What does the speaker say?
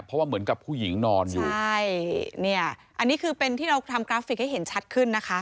เพราะว่าเหมือนกับผู้หญิงนอนอยู่ใช่เนี่ยอันนี้คือเป็นที่เราทำกราฟิกให้เห็นชัดขึ้นนะคะ